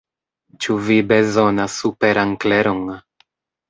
Ĉu vi bezonas superan kleron?